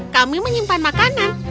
kami menyimpan makanan